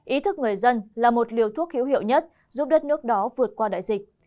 ý thức người dân là một liều thuốc hữu hiệu nhất giúp đất nước đó vượt qua đại dịch